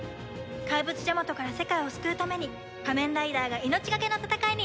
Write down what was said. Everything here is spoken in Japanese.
怪物ジャマトから世界を救うために仮面ライダーが命がけの戦いに挑む！